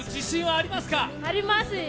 あります。